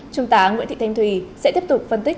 chúng ta nguyễn thị thanh thùy sẽ tiếp tục phân tích